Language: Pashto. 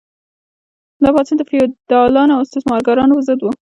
دا پاڅون د فیوډالانو او استثمارګرانو پر ضد و.